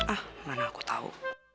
ah mana aku tau